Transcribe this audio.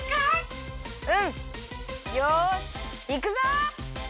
うん！よしいくぞ！